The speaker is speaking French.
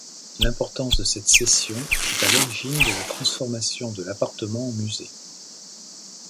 L'importance de cette cession est à l'origine de la transformation de l'appartement en musée.